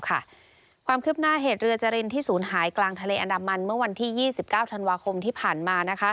ความคืบหน้าเหตุเรือจรินที่ศูนย์หายกลางทะเลอันดามันเมื่อวันที่๒๙ธันวาคมที่ผ่านมา